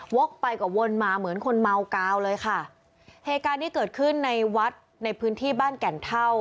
กไปกว่าวนมาเหมือนคนเมากาวเลยค่ะเหตุการณ์ที่เกิดขึ้นในวัดในพื้นที่บ้านแก่นเท่า